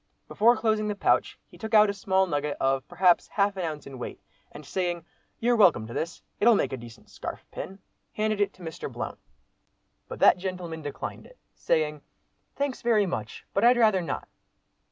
Before closing the pouch, he took out a small nugget of, perhaps, half an ounce in weight, and saying, "You're welcome to this. It'll make a decent scarf pin," handed it to Mr. Blount. But that gentleman declined it, saying, "Thanks, very much, but I'd rather not."